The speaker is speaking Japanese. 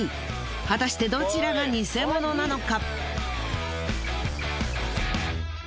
果たしてどちらが偽物なのか！？